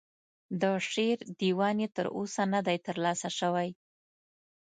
د شعر دیوان یې تر اوسه نه دی ترلاسه شوی.